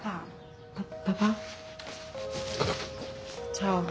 じゃあね。